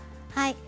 はい。